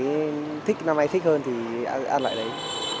thấy thích năm nay thích hơn thì ăn lại đấy